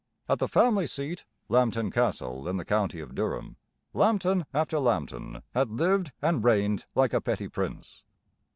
At the family seat, Lambton Castle, in the county of Durham, Lambton after Lambton had lived and reigned like a petty prince.